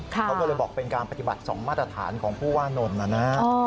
เขาก็เลยบอกเป็นการปฏิบัติ๒มาตรฐานของผู้ว่านนท์นะฮะ